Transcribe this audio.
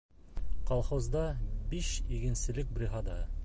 Колхозда биш игенселек бригадаһы.